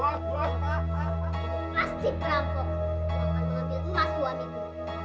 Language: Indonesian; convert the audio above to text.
aku akan mengambil emas suamiku